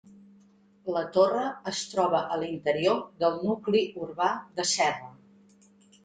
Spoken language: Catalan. La torre es troba a l'interior del nucli urbà de Serra.